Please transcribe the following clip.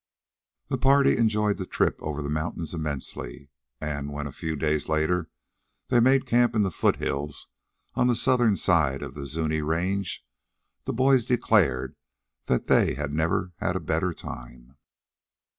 The party enjoyed the trip over the mountains immensely; and, when, a few days later, they made camp in the foothills on the southern side of the Zuni range, the boys declared that they had never had a better time.